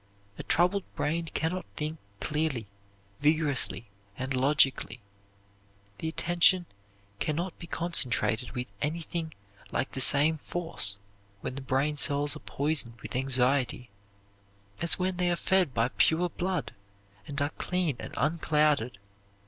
A troubled brain can not think clearly, vigorously, and logically. The attention can not be concentrated with anything like the same force when the brain cells are poisoned with anxiety as when they are fed by pure blood and are clean and unclouded.